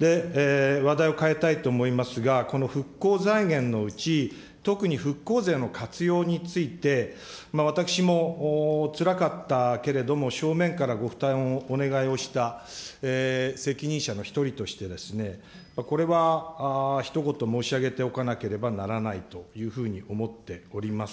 話題を変えたいと思いますが、この復興財源のうち、特に復興税の活用について、私もつらかったけれども、正面からご負担をお願いをした責任者の一人として、これはひと言申し上げておかなければならないというふうに思っております。